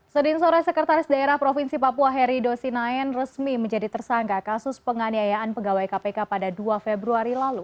senin sore sekretaris daerah provinsi papua heri dosinaen resmi menjadi tersangka kasus penganiayaan pegawai kpk pada dua februari lalu